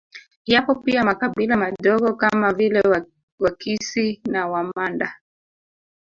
Yapo pia makabila madogo kama vile Wakisi na Wamanda